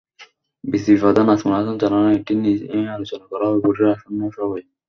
বিসিবি-প্রধান নাজমুল হাসান জানালেন, এটি নিয়ে আলোচনা করা হবে বোর্ডের আসন্ন সভায়।